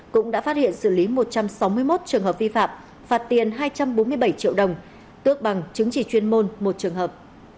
cũng đã phát hiện xử lý một trăm sáu mươi một trường hợp vi phạm phạt tiền hai trăm bốn mươi bảy triệu đồng tước bằng chứng chỉ chuyên môn một trường hợp